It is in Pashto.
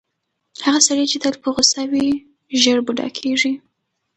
هغه سړی چې تل په غوسه وي، ژر بوډا کیږي.